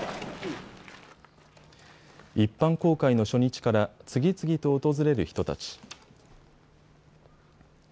一般公開の初日から次々と訪れる人たち。